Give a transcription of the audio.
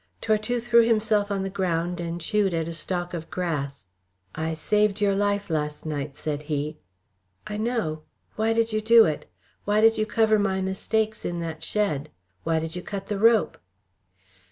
Tortue threw himself on the ground and chewed at a stalk of grass. "I saved your life last night," said he. "I know. Why did you do it? Why did you cover my mistakes in that shed? Why did you cut the rope?"